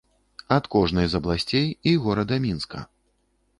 Ад кожнай з абласцей і горада Мінска.